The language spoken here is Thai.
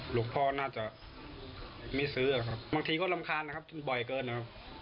หลวงพ่อน่าจะไม่ซื้ออะครับบางทีก็รำคาญนะครับบ่อยเกินนะครับ